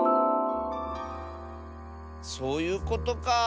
そういうことか。